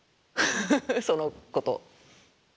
その子と。